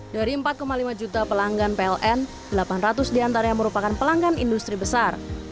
dari empat lima juta pelanggan pln delapan ratus diantaranya merupakan pelanggan industri besar